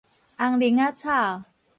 紅奶仔草